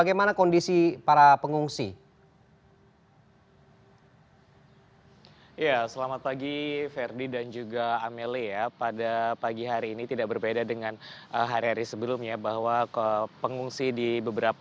ini enggak boleh enggak benar